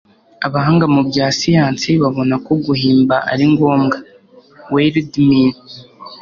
abahanga mu bya siyansi babona ko guhimba ari ngombwa wierdmin